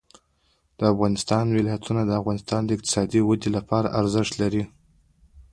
د افغانستان ولايتونه د افغانستان د اقتصادي ودې لپاره ارزښت لري.